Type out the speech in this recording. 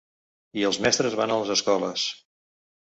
I els mestres van a les escoles.